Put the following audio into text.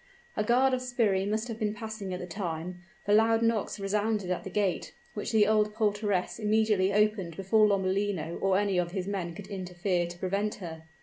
A guard of sbirri must have been passing at the time, for loud knocks resounded at the gate, which the old portress immediately opened before Lomellino or any of his men could interfere to prevent her.